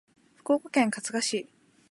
福岡県春日市